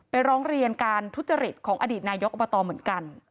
ร้องเรียนการทุจริตของอดีตนายกอบตเหมือนกัน